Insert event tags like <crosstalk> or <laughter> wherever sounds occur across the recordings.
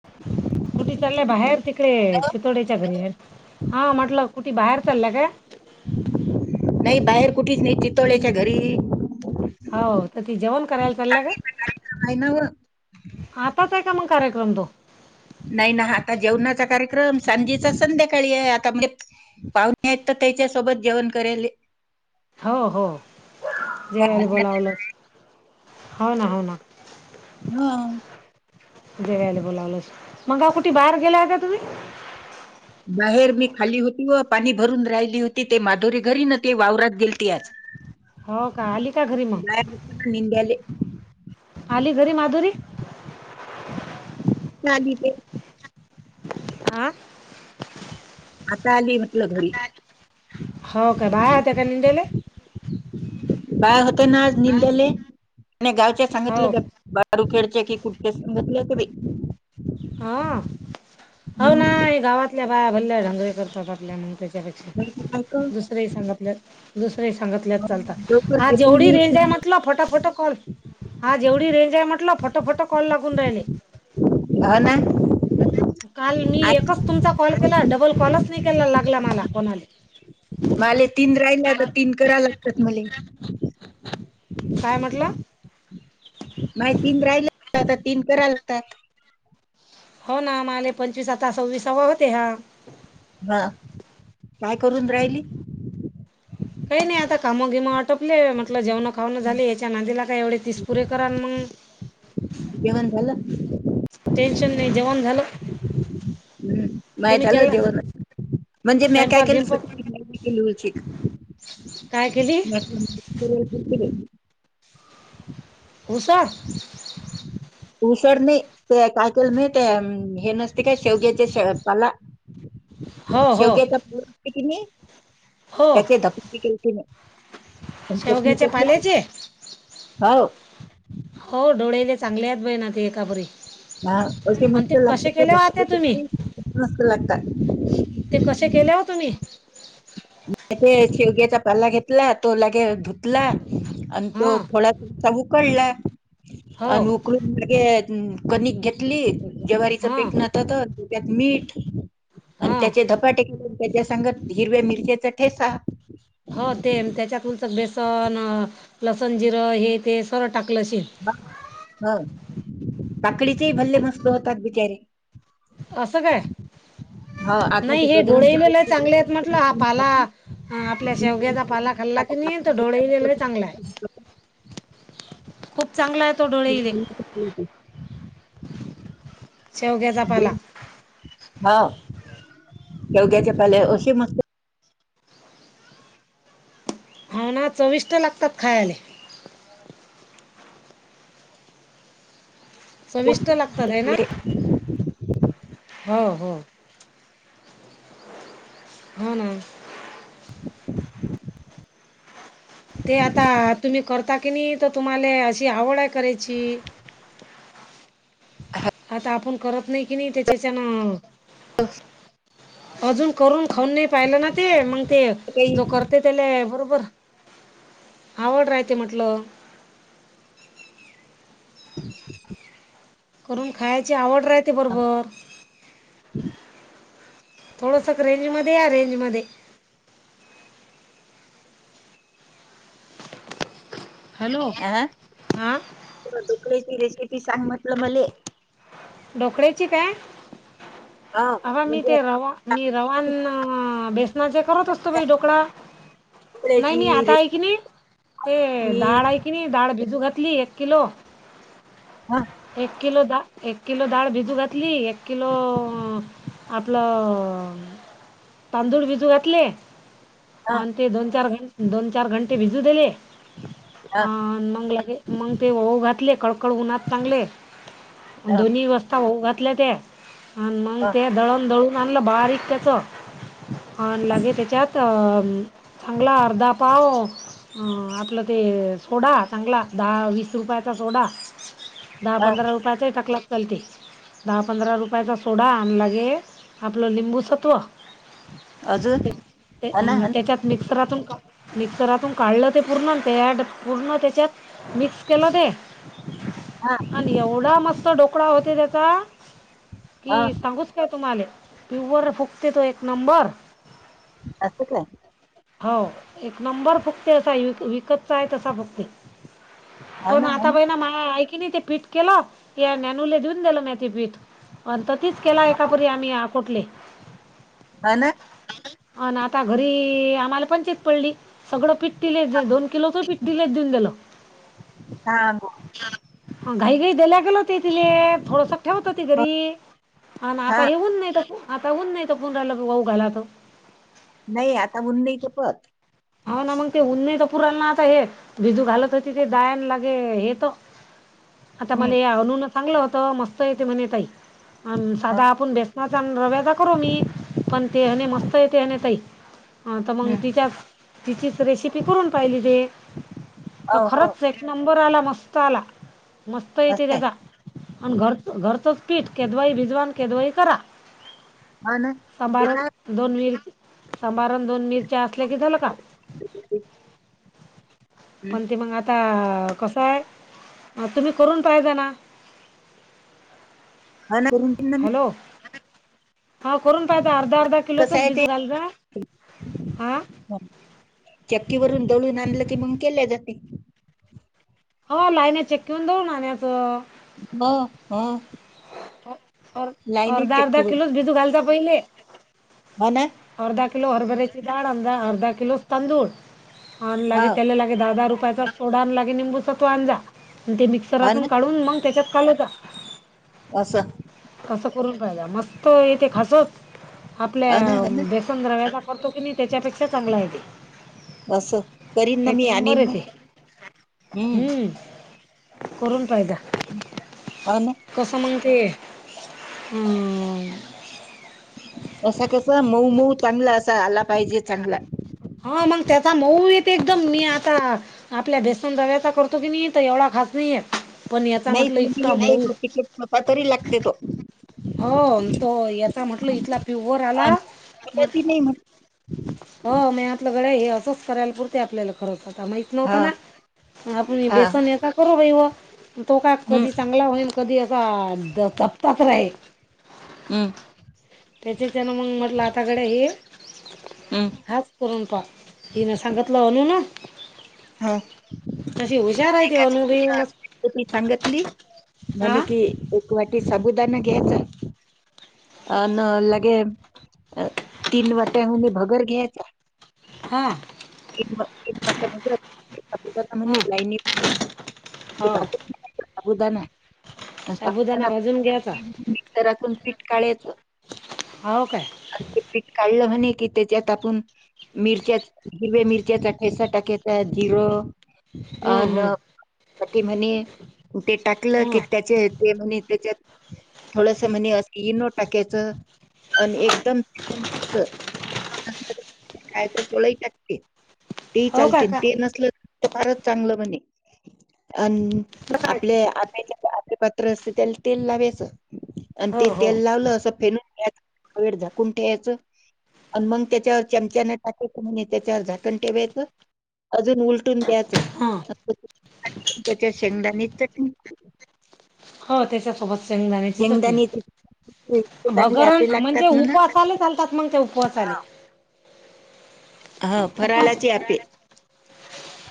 <inaudible> कुठी चालल्यां बाहेर तिकडे, चितोड्येच्या घरी हा. म्हटलं कुठे बाहेर चालाय का? नाही बाहेर कुठेच नाही, चितोळ्याच्या घरी. हो, तर ती जेवण करायला चालल्या काय? नाही ना व आताच आहे का, मग कार्यक्रम तो. नाही ना, आता जेवणाचा कार्यक्रम सांजीचा संध्याकाळी आहे आता म्हणजे. पाहुणे आहेत तर, तेच्यासोबत जेवण करेले. हो हो जेवायले‌ हं. बोलावलं. होव ना, होव ना. हं.. जेवला बोलावलंस मग गा कुठे, बाहेर गेलाय का तुम्ही? बाहेर मी खाल्ली होती. व पाणी भरून राहिली होती, ते माधुरी घरी न ते वावरात गेलती आज. हो का आली का घरी म? बाहेर निंद्याले. आली घरी माधुरी. झाली ते, आ. आता आली म्हटलं घरी. हो का बाळा होत्या का निंद्याले. बाळा होत ना आज निंद्याले. आपल्या गावच्या सांगितलं. हो का तालूखेडचे की कुठ समजत नव्हते बाई. हा, होना गावातल्या बाया भल्ल्या <unintelligible> करतात आपल्या म्हणते. त्यापेक्षा नाही तर काय कर. दुसरही सांगतल्यात, दुसरही सांगतल्याच चालता. लवकर हा देतही जेवढी नाही. रेंज आहे, म्हटलं फटाफट कॉल. आज एवढी रेंज आहे म्हटल, फटा फटा कॉल लागून राहिले. हो ना. काल मी आई- एकच तुमचा कॉल केला. डबल कॉलच नाही केला लागला मला कोणाला. माले तीन राहिल्या आता, तीन करा लागतात मले. काय म्हटला. नाही तीन राहिले, आता तीन कराय लागतात. होना, माले पंचवीस आता सव्वीस हवा होते हा. हा, काय करून राहिली. काही नाही आता कामगिम आटपले, म्हटलं जेवण खाऊणं झालेय. च्या नांदीला काय एवढे तीस पुुरे करान मग. जेवन झालं. टेन्शन नाही, जेवण झालं. नाय तुम्ही झालं केला जेवण म्हणजे, मी काय स्वयंपाक केलं गिंपाक <unintelligible> होतील. काय केली. <unintelligible> उसा उशारनी ते काय केलं माहिती आहे अम हे नसते काय शेवग्याचेे शेव पाला हो हो शेवग्याच्या <unintelligible> केली हो त्याचे धक <unintelligible> ती केल तिन चटनी शेवग्याच्या <unintelligible> पाल्याचे हौव. हो डोळेले चांगलेत बई ना ते एकापरी. म असं मस्त लागतात तुम्ही <inaudible> मस्त लागतात. ते कशे केले हो तुम्ही? ते शेवग्याचा पाला घेतला तो लागे धुतला आणि तो हां थोडा उकडला हो आणि उकलून मागे कनिक घेतली जवारीचं हां पीठ नतात. त्यात मीठ आणि हां त्याचे ध <unintelligible> त्याच्या सांगत हिरव्या मिरच्या ठेसा. हो ते त्याच्याकुलच्या बेसन, लसण, जिरं हे ते सरळ टाकलं अशील. <inaudible> हा काकडीचेही भल्ले मस्त होतात बिचारे. असं काय हा आता नाही तर हे गजरांची डोळेले लई चांगले आहेत म्हंटलं हा पाला पोळी हा आपल्या शेवग्याचा पाला खाल्ला की नाही तर डोळेला लई चांगला आहे. खूप चांगला आहे तो डो <unintelligible> शेवग्याचा पाला हा योग्याचे पहिले अशी मस्त हा ना चविष्ट लागतात खायले. चविष्ट लागतात है ना हो हो. हो ना. ते आता तुम्ही करता की नाही तर तुम्हाला अशी आवड आहे करायची. <unintelligible> आता आपण करत नाही कि नाही त्याच्याच्यान अस अजून करून खाऊन नाही पाहिलं ना ते मग ते जो काही करते त्याले बरोबर आवड राहते म्हटलं. <inaudible> करून खायची आवड राहते बरोबर. <inaudible> थोडंसं क रेंजमध्ये या रेंजमध्ये. हॅलो आं. तुला ढोकळेची रेसिपी सांग म्हटलं मले. ढोकळ्याची काय अ अवा मी म्हणजे ते रवा मी रवानं, बेसनाचे करत असतो बाई ढोकळा. नाही ढोकळ्याची मी आता आहे क नाही ते रेसिपी डाळ आहे की नी डाळ भिजू घातली एक किलो ह एक किलो दा एक किलो डाळ भिजू घातली एक किलो अ आपलं तांदूळ भिजू घातले ह आन ते दोन चार घं दोन चार घंटे भिजू देले ह अन मंग लागे मग ते होऊ घातले कडकड उन्हात चांगले. आणि ह दोन्ही वसता वातल्या ते आणि मंग ह ते दळण दळून आणलं बारीक त्याचं आन लगे त्याच्यात चम चांगला अर्धा पाव अ आपलं ते सोडा चांगला दहा वीस रुपयाचा सोडा दहा ह पंधरा रुपयाच्या ही टाकलात चाल की. दहा पंधरा रुपयाचा सोडा आण लागे आपलं लिंबूसत्व अजून ते ते- ह ना ह ना तेच्यात. मिक्सरातून मिक्सरातून काढलं ते पूर्ण त्या ड पूर्ण त्याच्यात. मिक्स केलं ते. हा. आणि एवढा मस्त ढोकळा होते त्याचा ह की सांगूच काय तुम्हाले प्युअर फुगते तो एक नंबर. असं काय? हो एक नंबर फक्त असाय विक विकतचा आहे तसा फुगते. पण आता बहि ना माय ऐ, कि नाही ते पीठ केलं. या नॅनूले देऊन दिलं नाही ते पीठ, आणि तीच केला एका परी आम्ही‌. फुटले. हा ना. अना आता घरी आम्हाला चित पडली, सगळं पिठ दिले दोन किलोच पिठ. दिल देऊन गेलं. हा हा. घाई घाई दिल्या गेलो, तेथिल थोडस. ठेवत होती ह घरी, हा आता हेऊन नाही आता होऊन नाही त पुनराला वाऊ घालात. नाही आता मुनंदईच पत. हा ना मग ते उन तर पुराना ना, आता हे भिजू घालत होती ते दायन लागे हे त. आता मला हं हे अनुन चांगलं होत, मस्त येते म्हणे ताई. ह साधा आपण बेसनाचा रव्यादा करू मी, पण ते म्हणे मस्त येते अनू ताई. <inaudible> हं, तर मंग तिच्या तिचीच रेसिपी करून पाहिली हे, तर हो हो खरंच एक. नंबर आला मस्त आला, मस्त असं येते काय तेचा. आणि घरचंच पीठ, केदवाई भिजवा केदवाई करा. ह ना ते सांभारण काय दोन मिर सांभारण, दोन मिरच्या असल्या कि झालं का <unintelligible> हं पण ते मग आता कसं आहे, तुम्ही करून पाहेचा ना. <unintelligible> हॅलो. हा करून पाह अर्धा, अर्धा कस किलोचंच आहे ते, भिजू घाल जा हा चक्की वरून दळून आणलं की, मग केले जाते. हो लाईन चक्की वरून दळून आनायचं. हो हो. लाईनीत अर्धा अर्धा चक्कीवरून किलोच, भिजू घालचा पहिले. म्हणा, अर्धा किलो हरभऱ्याची डाळ, अर्धा किलो तांदूळ आणि ह लागे त्याला लाल. दहा दहा रुपयाचा सोडा लागे निंबूचा तो आनजा, आणि ते ह मिक्सरातून ना काढून मग तेच्यात कलायचा. आसं. तसं करून पाहिले, मस्त इथे खासत हो ना, हो ना. आपल्या. संग्रहव्या वापरतो की नाही, तेच्यापेक्षा चांगला आहे ते. असं करीन ना एक मी, आणि नंबर ना येते हम्म. हम्म करून पायदा. <unintelligible> कस मंग ते, हम्म.. असं कस मऊ मऊ चांगला असा, आला पाहिजे चांगल. हा मग त्याचा मऊ येते, एकदम मी आता. आपल्या भेसन रव्याचा करतो की नाही, तर एवढा खास नाहीये, पण याचा म्हटलं इतका मऊ. मग पातरी लागते तो, हो, तो इथला म्हटला प्युवर आला अन् म्हट फुलतही नाही मग. हो म्या आपलं गड हे असंच, करायला पुरते आपल्याला खरंच माहित. नव्हत हां, ना, आपण हां. बेसन या का करू वो, तो का हं, कधी चांगला होईल. कधी असा द चपताच राहील. हम्म. त्याच्या त्याने मंग म्हटलं आताकडे हे हं. हाच करून पाह हीना सांगितलं अनूना. हा ती एका अनु बी हा <unintelligible> सांगतली. म्हणे कि एक वाटी साबुदाना घ्यायचा. आनं लगे अ तीन वाट्या होनी भगर घ्याचा. हा <unintelligible> <unintelligible> <unintelligible> हा हो साबुदाणा भाजून घ्यायचा मिकसरातून पीठ काढयचं. हो काय ते पीठ काढलं म्हणे कि त्याच्यात आपण मिरच्या हिरव्या मिरच्याचा ठेसा टाकेत त्यात जिरं हम्म हम्म अनं <inaudible> काटे म्हणी उके टाकलं की हम्म त्याचे ते म्हणेत त्याच्यात थोडसा म्हणे असं इनो टाकायचं आणि एक हो <unintelligible> काय का नसलं तर फारच चांगलं बने आन काय आपल्या आणायच्या <inaudible> पत्र असते त्याला तेल लावयचं अन हो हो तेल लावलं असं फेनून‌ घ्यायचं. वेळ झाकून ठेवायचं. आणि मंग त्याच्यावर चमच्याने टाकायचं म्हणे त्याच्यावर झाकण ठेवायचं. अजून उलटून द्यायचं हां <inaudible> त्याच्यात शेंगदाने चटणी हो त्याच्यासोबत शेंगदाण्याची चटणी. शेंगदाण्याची चांगले भगरण आपे म्हणजे लागतात म्हणा उपवासाला चालतात मंग ते उपवासाले. हा उपवास. फराळाचे <unintelligible> आपे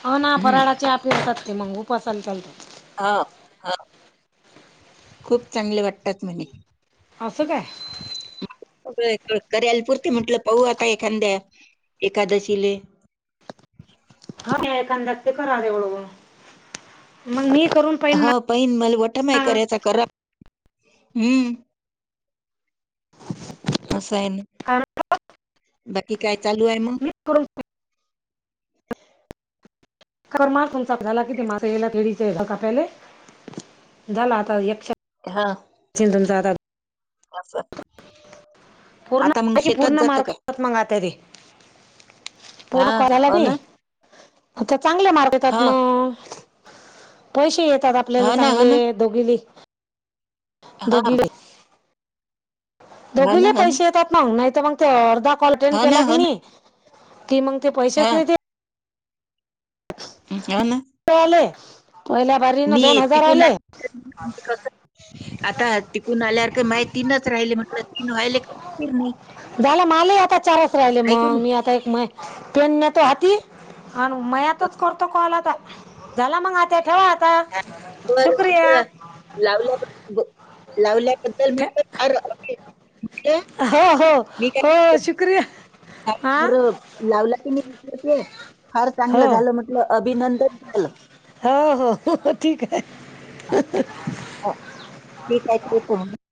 हो ना हम्म फराळाचे आपेतात ते मंग उपावासाला चालतात. हा हा खूप चांगले वाटतात म्हणे. असं काय? कर्याला पुरते म्हटलं पाहू आता एखांद्या एकादशीले हा मी एखांदा ते <unintelligible> मग मी करून पाहिन हा पहिन मला वठ माई ना करयचा करप हम्म. असं आहे ने कारण बाकी काय चालू आहे मग? इकडून खर म तुमचं झाला किती मासे याला केळीचे झाड कापयले झालं आता यक्ष हा चिलदल दादा असं पूर्ण आता मग <inaudible> शेतात पूर्ण जातं मार्कं काय येतात मंग आता ते. हा पोरं करायला हो गी ना आता चांगले मार्क येतात हा म. पैशे येतात आपल्याला हो ना हो चांगले दोघीले. हां. दोघीले दोघीले पैशे येतात मंग नाही तर मंग ते अर्धा कॉल ट्अटेंड हो ना केला की हो ना नाही? कि मंग ते हा पैशेच नाही देत येव ना ते आलय होयला मी य <unintelligible> ते कस आता तिकून आल्यावर क माय तीनचं राहिले म्हटलं तीन व्हायले काय फीकीर नाही. झाला मलाही आता चारच राहिले म आहे की नाही मी आता एक मैं पेन्या त्या आती आणि मयातच करतो कॉल आता. झाला मंग आता ठेव आता बर शुक्रिया. म्हटलं लावल्या लावल्याबद्दल ठे- म्हटलं. <unintelligible> हो हो हो मी काय हो म्हटलं, शुक्रीया हा. बरं लावला की <unintelligible> ते फार चांगलं हो झालं म्हटलं अभिनंदन झाल. हो हो ठीक आहे. <unintelligible>